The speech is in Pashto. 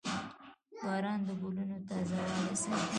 • باران د ګلونو تازهوالی ساتي.